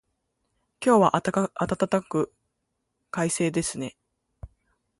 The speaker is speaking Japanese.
今日は暖かく、快晴ですね。